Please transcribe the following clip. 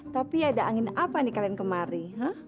tapi ada angin apa nih kalian kemari